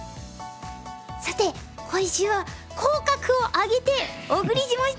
さて今週は口角を上げてお送りしました。